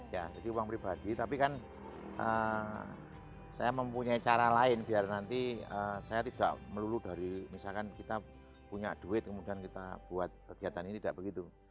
ya jadi uang pribadi tapi kan saya mempunyai cara lain biar nanti saya tidak melulu dari misalkan kita punya duit kemudian kita buat kegiatan ini tidak begitu